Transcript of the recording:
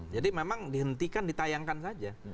jadi memang dihentikan ditayangkan saja